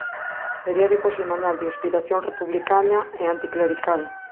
Periódico semanal de inspiración republicana e anticlerical.